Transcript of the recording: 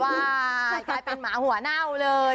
ว่ายแค่เป็นหมาหัวเน่าเลย